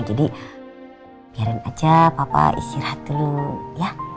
biarin aja papa istirahat dulu ya